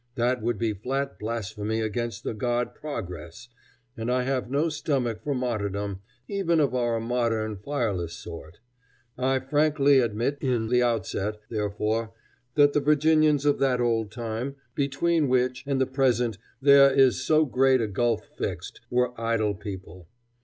That would be flat blasphemy against the god Progress, and I have no stomach for martyrdom, even of our modern, fireless sort. I frankly admit in the outset, therefore, that the Virginians of that old time, between which and the present there is so great a gulf fixed, were idle people.